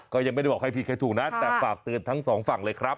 ก็ยังไม่ได้บอกใครผิดใครถูกนะแต่ฝากเตือนทั้งสองฝั่งเลยครับ